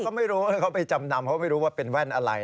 ก็ไม่รู้ว่าเขาไปจำนำเขาไม่รู้ว่าเป็นแว่นอะไร